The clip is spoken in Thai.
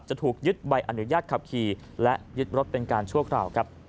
จะถูกยึดใบอนุญาตขับขี่และยึดรถเป็นการชั่วคราวครับ